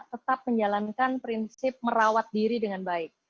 tetap menjalankan prinsip merawat diri dengan baik